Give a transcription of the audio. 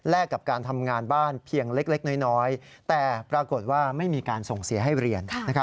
และกับการทำงานบ้านเพียงเล็กน้อยแต่ปรากฏว่าไม่มีการส่งเสียให้เรียน